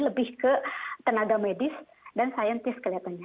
lebih ke tenaga medis dan saintis kelihatannya